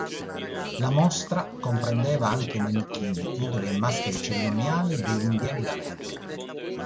La mostra comprendeva anche manichini, idoli e maschere cerimoniali degli indiani d'America.